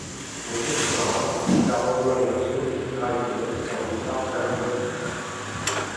Michael Schumacher, Fernando Alonso et Kimi Räikkönen font un départ faramineux.